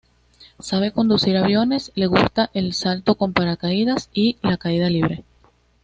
Sabe conducir aviones, le gusta el salto con paracaídas y la caída libre.